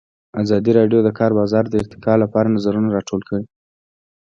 ازادي راډیو د د کار بازار د ارتقا لپاره نظرونه راټول کړي.